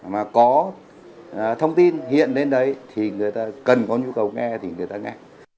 mà có thông tin hiện lên đấy thì người ta cần có nhu cầu nghe thì người ta nghe